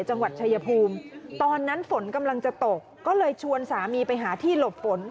จังหวัดชายภูมิตอนนั้นฝนกำลังจะตกก็เลยชวนสามีไปหาที่หลบฝน